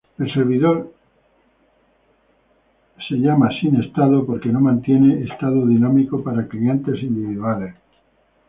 El servidor es llamado sin estado porque no mantiene estado dinámico para clientes individuales.